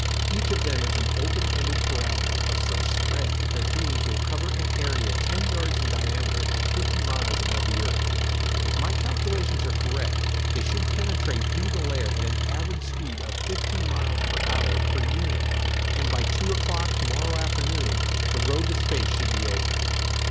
Each of them is an opened parabola of such spread that their beams will cover an area ten yards in diameter at fifty miles above the earth. If my calculations are correct they should penetrate through the layer at an average speed of fifteen miles per hour per unit, and by two o'clock to morrow afternoon, the road to space should be open."